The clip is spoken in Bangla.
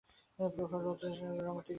প্রখর রৌদ্রের সময় রামুতে গিয়া পৌঁছিলেন।